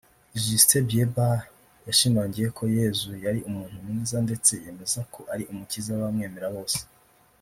Justin Bieber yashimangiye ko Yezu yari umuntu mwiza ndetse yemeza ko ari umukiza w’abamwemera bose